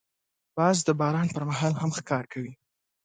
باز د باران پر مهال هم ښکار کوي